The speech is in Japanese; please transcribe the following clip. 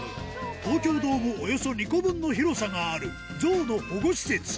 東京ドームおよそ２個分の広さがある、ゾウの保護施設。